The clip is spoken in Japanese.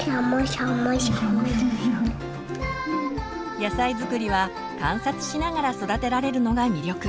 野菜づくりは観察しながら育てられるのが魅力。